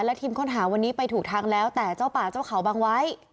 และทีมค้นหาวันนี้ไปถูกทางแล้วแต่เจ้าป่าเจ้าเขาบังไว้